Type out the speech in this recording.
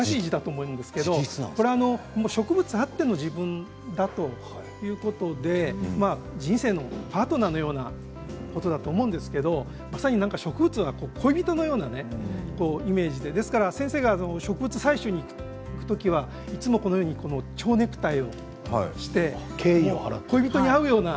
植物あっての自分だということで人生のパートナーのようなことだと思うんですけどまさに植物は恋人のようなイメージで先生が植物採集に行く時はいつもちょうネクタイをして恋人に会うような。